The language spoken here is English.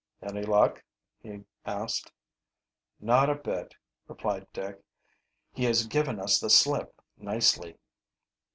"Any luck?" he asked. "Not a bit," replied Dick. "He has given us the slip nicely."